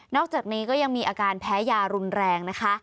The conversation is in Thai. อกจากนี้ก็ยังมีอาการแพ้ยารุนแรงนะคะ